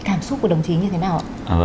cảm xúc của đồng chí như thế nào